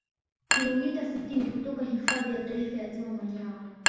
kilomita sitini kutoka hifadhi ya taifa ya ziwa manyara